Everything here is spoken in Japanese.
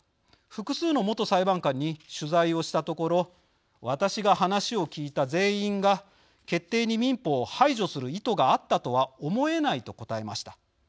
複数の元裁判官に取材をしたところ私が話を聞いた全員が「決定に民法を排除する意図があったとは思えない」と答えました。